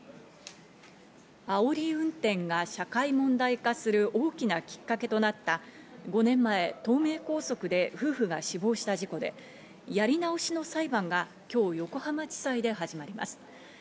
あおり運転が社会問題化する大きなきっかけとなった５年前、東名高速で夫婦が死亡した事故でやり直しの裁判が今日、横浜地裁で始まります。